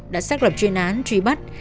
đã xác lập chuyên án truy bắt